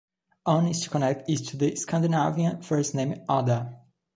One is to connect it to the Scandinavian first name Odda.